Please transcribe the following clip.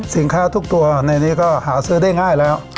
ทุกตัวในนี้ก็หาซื้อได้ง่ายแล้ว